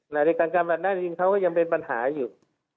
แหละในการกรรมดรับนาฬินเค้าก็ยังมีปัญหาอยู่